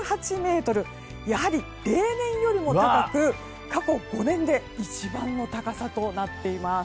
やはり例年よりも高く過去５年で一番の高さとなっています。